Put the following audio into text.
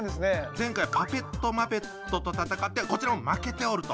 前回パペットマペットと戦ってこちらも負けておると。